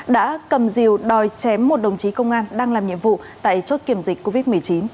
đã cầm diều đòi chém một đồng chí công an đang làm nhiệm vụ tại chốt kiểm dịch covid một mươi chín